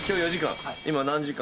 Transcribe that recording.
今何時間？